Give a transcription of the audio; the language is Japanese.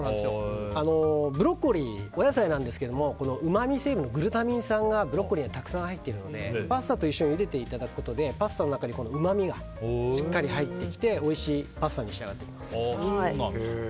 ブロッコリーお野菜なんですけれどもうまみ成分のグルタミン酸がブロッコリーにはたくさん入っているのでパスタと一緒にゆでていただくことでパスタの中にうまみがしっかり入ってきておいしいパスタに仕上がります。